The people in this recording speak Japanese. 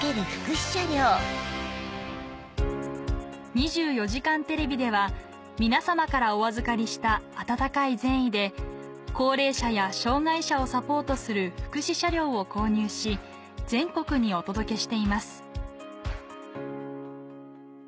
『２４時間テレビ』では皆様からお預かりした温かい善意で高齢者や障がい者をサポートする福祉車両を購入し全国にお届けしています